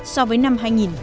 so với năm hai nghìn một mươi